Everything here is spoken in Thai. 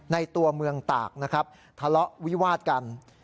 ตัวเมืองตากนะครับทะเลาะวิวาดกัน